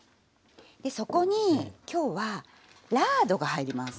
でそこに今日はラードが入ります。